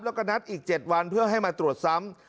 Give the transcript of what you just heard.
แล้วก็นัดอีก๗วันเพื่อให้มาตรวจซ้ำ